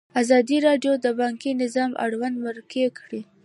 ازادي راډیو د بانکي نظام اړوند مرکې کړي.